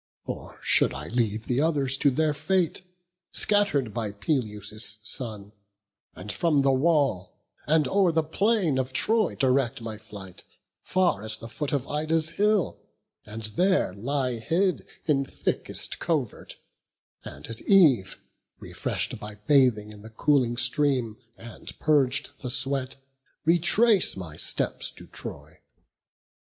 Or should I leave the others to their fate, Scatter'd by Peleus' son; and from the wall And o'er the plain of Troy direct my flight, Far as the foot of Ida's hill, and there Lie hid in thickest covert; and at eve, Refresh'd by bathing in the cooling stream, And purg'd the sweat, retrace my steps to Troy?